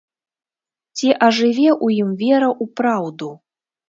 Ці ажыве ў ім вера ў праўду?